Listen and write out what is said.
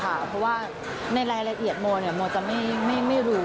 เพราะว่าในรายละเอียดโมโมจะไม่รู้